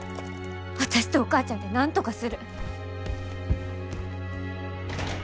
私とお母ちゃんでなんとかする。